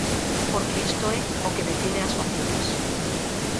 Porque isto é o que define as vacinas.